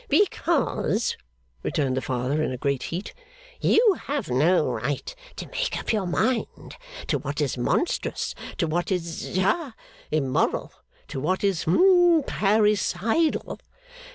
'Because,' returned the Father, in a great heat, 'you had no right to make up your mind to what is monstrous, to what is ha immoral, to what is hum parricidal.